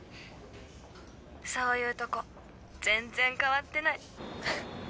そういうとこ全然変わってない。